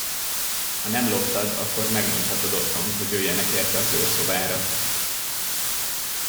Ha nem loptad, akkor megmondhatod otthon, hogy jöjjenek érte az őrszobára!